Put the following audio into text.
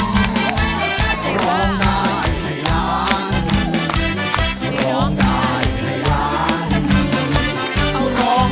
ร้องได้ให้ล้าน